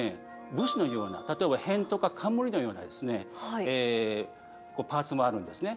部首のような例えば偏とか冠のようなですねパーツもあるんですね。